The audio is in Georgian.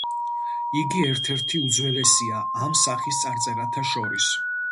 იგი ერთ-ერთი უძველესია ამ სახის წარწერათა შორის.